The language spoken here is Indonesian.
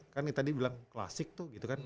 kan tadi bilang klasik tuh gitu kan